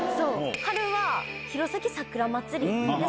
春は、弘前さくらまつり。